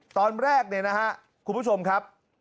ตอนแรกคุณผู้ชมครับ